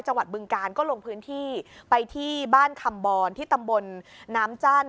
บึงการก็ลงพื้นที่ไปที่บ้านคำบรที่ตำบลน้ำจั้น